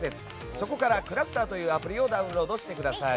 そこからｃｌｕｓｔｅｒというアプリをダウンロードしてください。